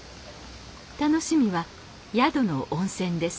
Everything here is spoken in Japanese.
楽しみは宿の温泉です。